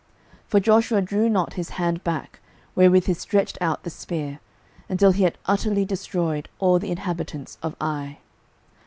06:008:026 For Joshua drew not his hand back, wherewith he stretched out the spear, until he had utterly destroyed all the inhabitants of Ai.